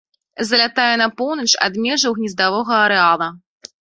Залятае на поўнач ад межаў гнездавога арэала.